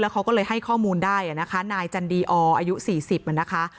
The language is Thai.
เขาก็เลยให้ข้อมูลได้นะคะนายจันดีอออายุ๔๐นะคะ